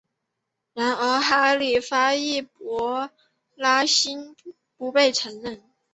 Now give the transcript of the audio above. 然而哈里发易卜拉欣不被承认。